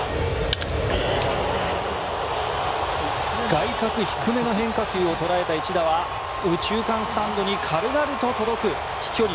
外角低めの変化球を捉えた一打は右中間スタンドに軽々と届く飛距離